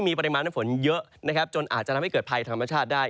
มีปริมาณน้ำฝนเยอะนะครับจนอาจจะทำให้เกิดภัยธรรมชาติได้